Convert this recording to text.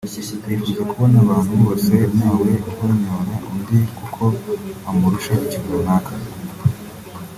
yifuza kubona abantu bose ntawe uhonyora undi kuko amurusha ikintu runaka